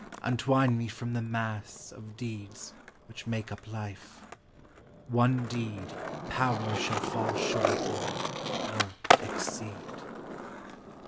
Untwine me from the mass Of deeds which make up life, one deed Power shall fall short in or exceed!